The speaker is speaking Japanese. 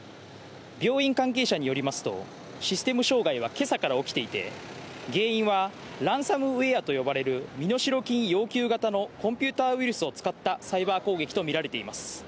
病院関係者によりますと、システム障害はけさから起きていて、現在はランサムウェアと呼ばれる、身代金要求型のコンピューターウイルスを使ったサイバー攻撃と見られています。